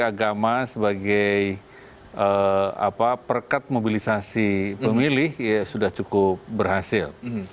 agama sebagai perkat mobilisasi pemilih sudah cukup berhasil